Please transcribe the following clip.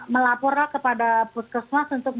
melaporlah kepada puskesmas